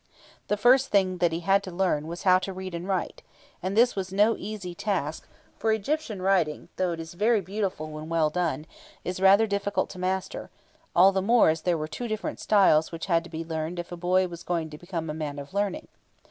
The first thing that he had to learn was how to read and write, and this was no easy task, for Egyptian writing, though it is very beautiful when well done, is rather difficult to master, all the more as there were two different styles which had to be learned if a boy was going to become a man of learning.